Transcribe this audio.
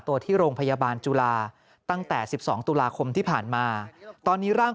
ตัวที่โรงพยาบาลจุฬาตั้งแต่๑๒ตุลาคมที่ผ่านมาตอนนี้ร่าง